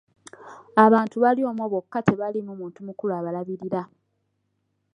Abantu bali omwo bokka tebaliimu muntu mukulu abalabirira.